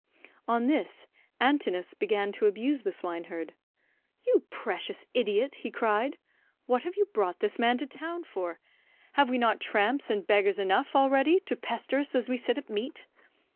On this Antinous began to abuse the swineherd. "You precious idiot," he cried, "what have you brought this man to town for? Have we not tramps and beggars enough already to pester us as we sit at meat?